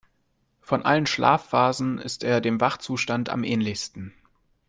Von allen Schlafphasen ist er dem Wachzustand am ähnlichsten.